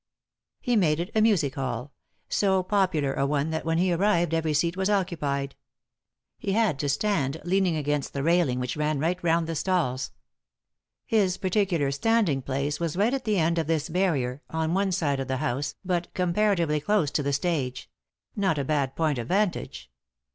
He made it a music hall — so popular a one that when he arrived every seat was occupied. He had to stand, leaning against the railing which ran right round the stalls. His particular standing place was right at the end of this barrier, on one side of the house, but comparatively close to the stage; not a bad point of vantage.